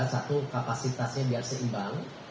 satu kapasitasnya biar seimbang